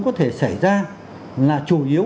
có thể xảy ra là chủ yếu